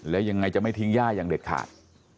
และยังไงจะไม่ทิ้งย่าอย่างเด็ดขาด